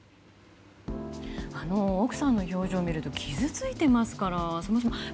奥さんの表情を見ると傷ついていますから。